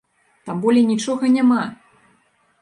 Там болей нічога няма!